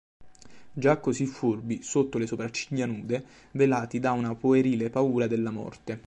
Già così furbi, sotto le sopracciglia nude, velati da una puerile paura della morte.